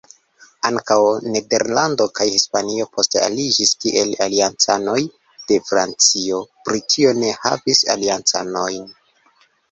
Ankaŭ Nederlando kaj Hispanio poste aliĝis kiel aliancanoj de Francio; Britio ne havis aliancanojn.